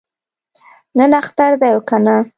نن اختر دی او کنه؟